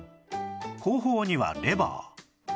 後方にはレバー